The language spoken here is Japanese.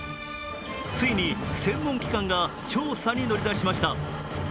ついに専門機関が調査に乗り出しました。